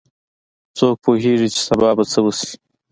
څوک پوهیږي چې سبا به څه وشي